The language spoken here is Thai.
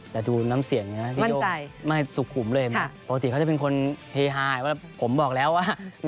แต่ดูน้ำเสียงนะน้อง